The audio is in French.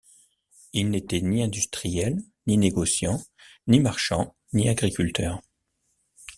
Il n’était ni industriel, ni négociant, ni marchand, ni agriculteur.